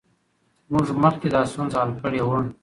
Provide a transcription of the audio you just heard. موږ مخکې دا ستونزه حل کړې وه.